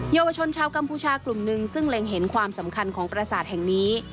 เยาวชนชาวกัมพูชากลุ่มหนึ่งซึ่งเล็งเห็นความสำคัญของประสาทแห่งนี้